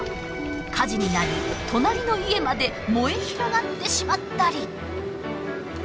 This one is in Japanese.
火事になり隣の家まで燃え広がってしまったり。